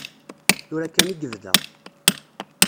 Tura kan i yebda.